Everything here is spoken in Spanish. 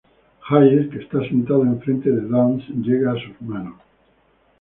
Hayes, que está sentado enfrente de Dunst llega a sus manos.